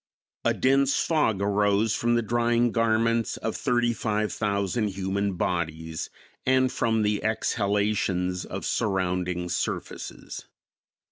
A dense fog arose from the drying garments of thirty five thousand human bodies and from the exhalations of surrounding surfaces.